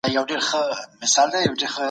دلته خلک خپلو مشرانو ته ډېر درناوی لري.